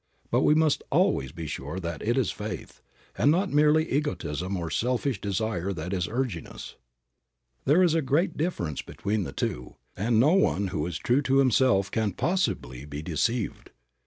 But we must always be sure that it is faith, and not merely egotism or selfish desire that is urging us. There is a great difference between the two, and no one who is true to himself can possibly be deceived.